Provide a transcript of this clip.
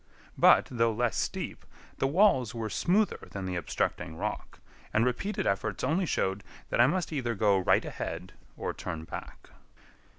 But, though less steep, the walls were smoother than the obstructing rock, and repeated efforts only showed that I must either go right ahead or turn back.